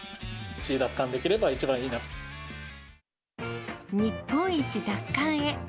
１位奪還できれば一番いいな日本一奪還へ。